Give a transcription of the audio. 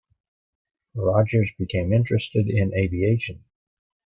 Rodgers became interested in aviation.